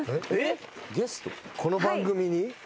この番組に？